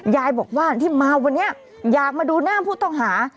ยายบอกว่าที่มาวันนี้อยากมาดูหน้าผู้ต้องหา